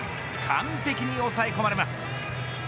完璧に抑え込まれます。